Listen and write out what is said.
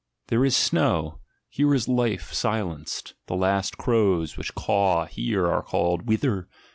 ) there is snow — here is life silenced, the last crows which aw here are called "whither?"